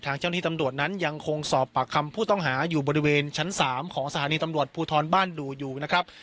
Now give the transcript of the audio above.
เจ้าหน้าที่ตำรวจนั้นยังคงสอบปากคำผู้ต้องหาอยู่บริเวณชั้น๓ของสถานีตำรวจภูทรบ้านดูอยู่นะครับ